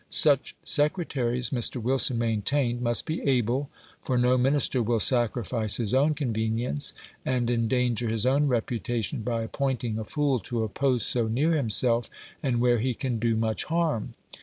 Such secretaries, Mr. Wilson maintained, must be able, for no Minister will sacrifice his own convenience, and endanger his own reputation by appointing a fool to a post so near himself, and where he can do much harm.